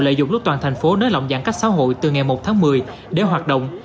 lợi dụng lúc toàn thành phố nới lỏng giãn cách xã hội từ ngày một tháng một mươi để hoạt động